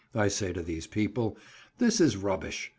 I say to these people, "This is rubbish.